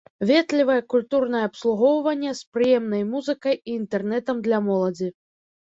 Ветлівае культурнае абслугоўванне, з прыемнай музыкай і інтэрнэтам для моладзі.